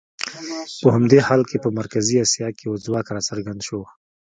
په همدې حال کې په مرکزي اسیا کې یو ځواک راڅرګند شو.